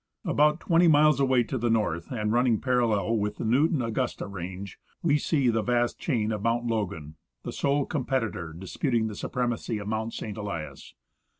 About twenty miles away to the north, and running parallel with the Newton Augusta range, we see the vast chain of Mount Logan, the sole competitor disputing the supremacy of Mount St. Elias.